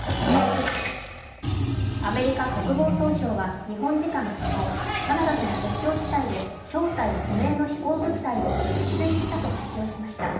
アメリカ国防総省は日本時間昨日カナダとの国境地帯で正体不明の飛行物体を撃墜したと発表しました。